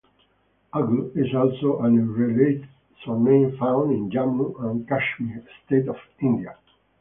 Agu is also an unrelated surname found in Jammu and Kashmir state of India.